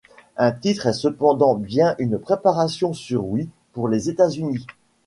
Un titre est cependant bien une préparation sur Wii pour les États-Unis.